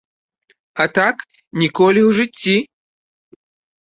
А так, ніколі ў жыцці!